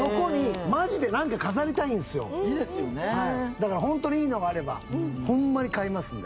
だから本当にいいのがあればホンマに買いますんで。